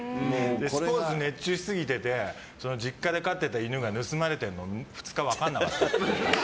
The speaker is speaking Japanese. スポーツ熱中しすぎてて実家で飼ってた犬が盗まれても２日、分からなかった。